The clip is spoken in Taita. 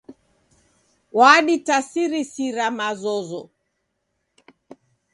Waditarisira mazozo.